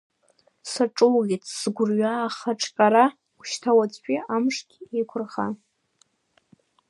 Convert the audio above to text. Саҿугеит, сгәырҩа ахра ҿҟьара, ушьҭа уаҵәтәи амышгьы еиқәырха!